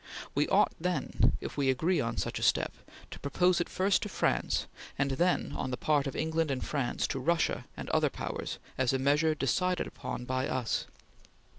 We ought then, if we agree on such a step, to propose it first to France, and then on the part of England and France, to Russia and other powers, as a measure decided upon by us.